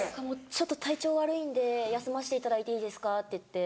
「ちょっと体調悪いんで休ませていただいていいですか」。